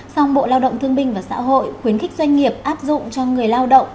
song bộ lao động thương binh và xã hội khuyến khích doanh nghiệp áp dụng cho người lao động